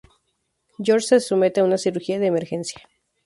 George se somete a una cirugía de emergencia.